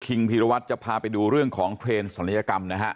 พีรวัตรจะพาไปดูเรื่องของเทรนดศัลยกรรมนะฮะ